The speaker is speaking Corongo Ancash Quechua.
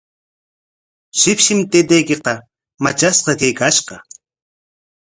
Shipshim taytaykiqa matrashqa kaykashqa.